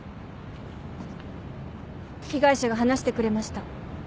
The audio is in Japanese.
被害者が話してくれました。